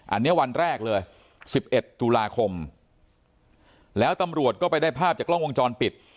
อันนี้วันแรกเลย๑๑ตุลาคมแล้วตำรวจก็ไปได้ภาพจากกล้องวงจรปิด